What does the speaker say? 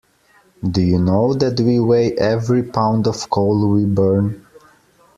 Do you know that we weigh every pound of coal we burn.